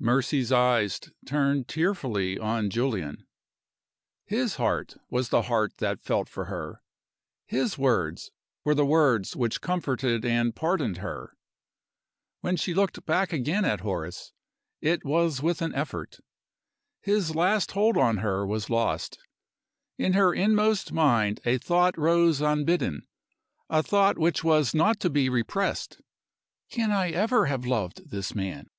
Mercy's eyes turned tearfully on Julian. His heart was the heart that felt for her! His words were the words which comforted and pardoned her! When she looked back again at Horace, it was with an effort. His last hold on her was lost. In her inmost mind a thought rose unbidden a thought which was not to be repressed. "Can I ever have loved this man?"